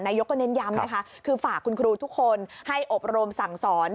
ยกก็เน้นย้ำนะคะคือฝากคุณครูทุกคนให้อบรมสั่งสอน